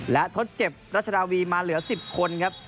และทดเจ็บรัชดาวีมาเหลือ๑๐คนครับ